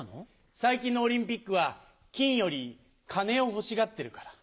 最近のオリンピックは金より金を欲しがってるから。